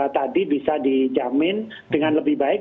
tadi bisa dijamin dengan lebih baik